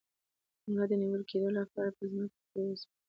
د ملا د نیول کیدو لپاره په ځمکه پریوځئ